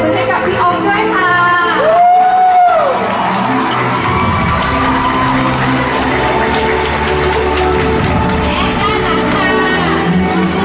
ขอเสียงกรมมือให้กับพี่อมด้วยค่ะ